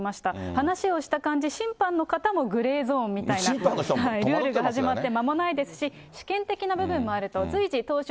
話をした感じ、審判の方もグレー違反みたいな、ルールが始まって間もないですし、試験的な部分もあると。